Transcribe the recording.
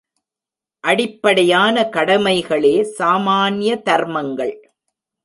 அடிப்படையான கடமைகளே சாமான்ய தர்மங்கள்.